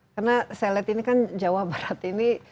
karena saya lihat ini kan jawa barat ini